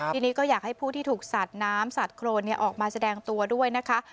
ทีนี้ก็อยากให้ผู้ที่ถูกสัดน้ำสัดโครนออกมาแสดงตัวด้วยนะคะ